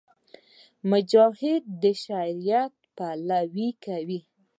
مجاهد د شریعت پلوۍ کوي.